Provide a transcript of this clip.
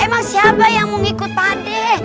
emang siapa yang mau ngikut pade